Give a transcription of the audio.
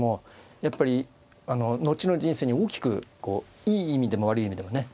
やっぱり後の人生に大きくこういい意味でも悪い意味でもね